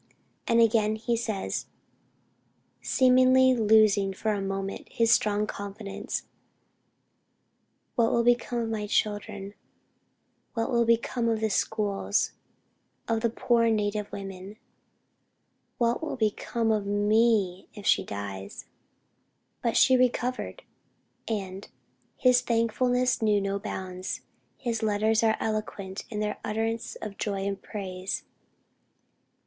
And again he says, seemingly losing for a moment his strong confidence, "What will become of my children, what will become of the schools of the poor native women what will become of me, if she die?" But she recovered, and "his thankfulness knew no bounds, his letters are eloquent in their utterance of joy and praise."